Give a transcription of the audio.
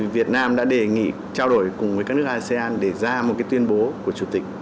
việt nam đã đề nghị trao đổi cùng với các nước asean để ra một tuyên bố của chủ tịch